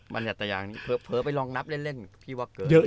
บรรยาตรายางนี้เผลอไปลองนับเล่นพี่ว่าเกิน